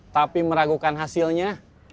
tapi meragukan hasilnya